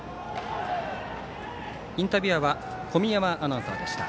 インタビュアーは小宮山アナウンサーでした。